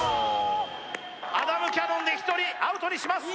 アダムキャノンで１人アウトにします